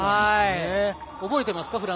覚えていますか？